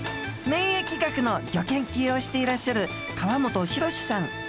免疫学のギョ研究をしていらっしゃる河本宏さん。